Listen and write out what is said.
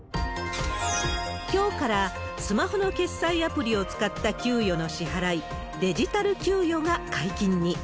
きょうからスマホの決済アプリを使った給与の支払い、デジタル給与が解禁に。